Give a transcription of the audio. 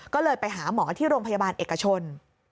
ก็เลยไปหาหมอที่โรงพยาบาลเอกชน